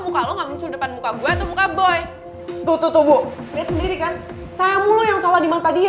karena gue salah